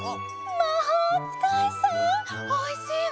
まほうつかいさんおいしいわ。